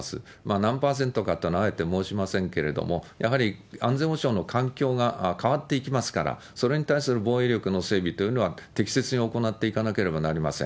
何％かというのはあえて申しませんけれども、やはり安全保障の環境が変わっていきますから、それに対する防衛力の整備というのは適切に行っていかなければなりません。